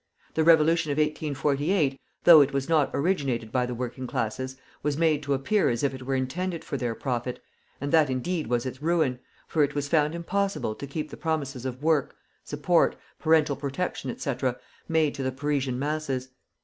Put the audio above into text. The Revolution of 1848, though it was not originated by the working classes, was made to appear as if it were intended for their profit; and that indeed was its ruin, for it was found impossible to keep the promises of work, support, parental protection, etc., made to the Parisian masses.